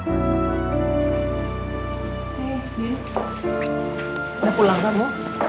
udah pulang gak mau